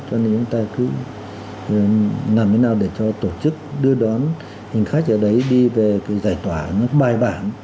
cho nên chúng ta cứ làm thế nào để cho tổ chức đưa đón hành khách ở đấy đi về giải tỏa nó bài bản